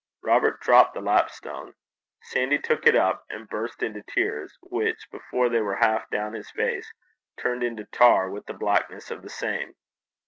Robert dropped the lapstone. Sandy took it up and burst into tears, which before they were half down his face, turned into tar with the blackness of the same.